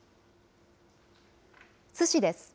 津市です。